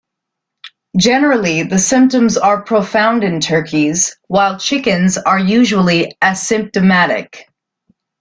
Generally, the symptoms are profound in turkeys, while chickens are usually asymptomatic.